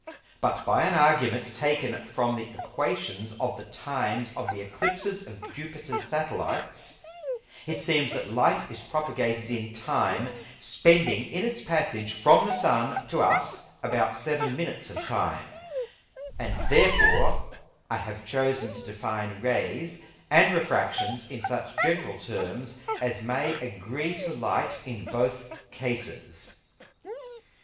But by an Argument taken from the Æquations of the times of the Eclipses of Jupiter's Satellites, it seems that Light is propagated in time, spending in its passage from the Sun to us about seven Minutes of time: And therefore I have chosen to define Rays and Refractions in such general terms as may agree to Light in both cases.